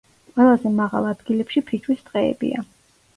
ყველაზე მაღალ ადგილებში ფიჭვის ტყეებია.